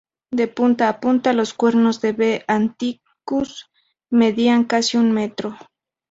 De punta a punta, los cuernos de "B. antiquus" medían casi un metro.